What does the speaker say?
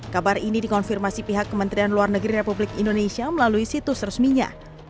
kabar ini dikonfirmasi pihak kementerian luar negeri republik indonesia melalui situs resminya